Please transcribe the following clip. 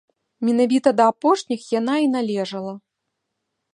Менавіта да апошніх яна і належала.